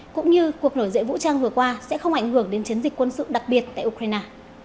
cũng như cuộc nổi dậy vũ trang vừa qua sẽ không ảnh hưởng đến chiến dịch quân sự đặc biệt tại ukraine